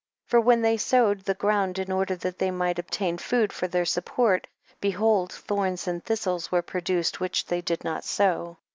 6. For when they sowed the ground in order that they might ob tain food for their support, behold, thorns and thistles were produced which they did not sow.